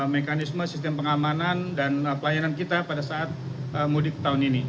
mekanisme sistem pengamanan dan pelayanan kita pada saat mudik tahun ini